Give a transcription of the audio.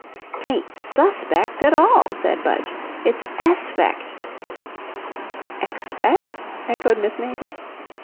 "'Tain't SUS pect at all," said Budge, "it's es pect." "Expect?" echoed Miss Mayton.